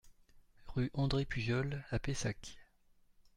Rue André Pujol à Pessac